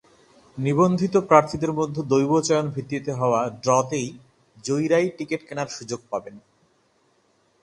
নিবন্ধিত প্রার্থীদের মধ্যে দৈবচয়ন ভিত্তিতে হওয়া ড্রতে জয়ীরাই টিকিট কেনার সুযোগ পাবেন।